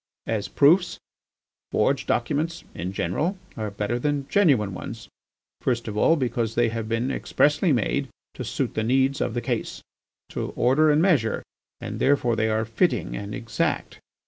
As proofs, forged documents, in general, are better than genuine ones, first of all because they have been expressly made to suit the needs of the case, to order and measure, and therefore they are fitting and exact.